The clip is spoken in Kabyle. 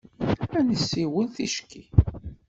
Ad nessiwel ticki.